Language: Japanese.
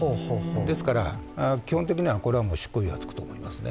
ですからこれは基本的には執行猶予がつくと思いますね。